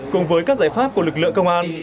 cùng với các giải pháp của lực lượng công an